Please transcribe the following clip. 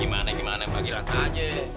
gimana gimana bagi lata aja